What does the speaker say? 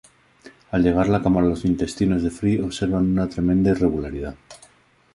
Al llegar la cámara a los intestinos de Fry observan una tremenda irregularidad.